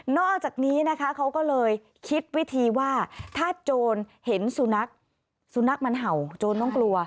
อกจากนี้นะคะเขาก็เลยคิดวิธีว่าถ้าโจรเห็นสุนัขสุนัขมันเห่าโจรต้องกลัว